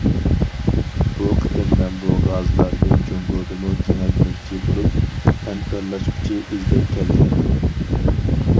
بۇ قېتىم مەن بۇ غازلارنى جۇڭگودىمۇ كېڭەيتمەكچى بولۇپ، ھەمكارلاشقۇچى ئىزدەپ كەلگەن، دېدى.